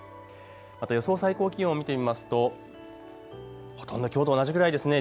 また予想最高気温を見てみますとほとんどきょうと同じぐらいですね。